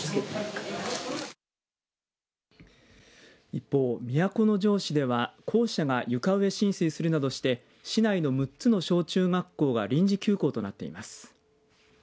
一方、都城市では校舎が床上浸水するなどして市内の６つの小中学校が臨時休校となっています。